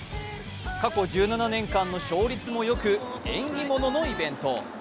過去１７年間の勝率もよく縁起物のイベント。